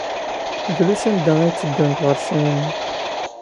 Drus anda ay tteddunt ɣer ssinima.